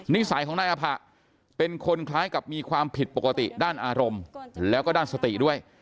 นิสัยของนายอภะเป็นคนคล้ายกับมีความผิดปกติด้านอารมณ์แล้วก็ด้านสติด้วย